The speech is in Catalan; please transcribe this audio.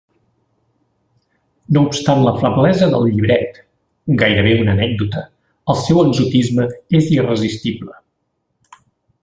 No obstant la feblesa del llibret —gairebé una anècdota— el seu exotisme és irresistible.